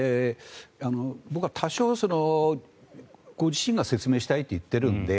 僕は多少、ご自身が説明したいと言っているので